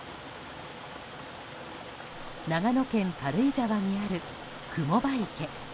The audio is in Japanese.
長野県軽井沢にある雲場池。